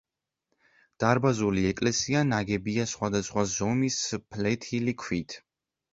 დარბაზული ეკლესია ნაგებია სხვადასხვა ზომის ფლეთილი ქვით.